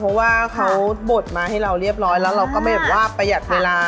เพราะว่าเขาบดมาให้เราเรียบร้อยแล้วเราก็ไม่แบบว่าประหยัดเวลา